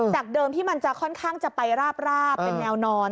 เดิมที่มันจะค่อนข้างจะไปราบเป็นแนวนอน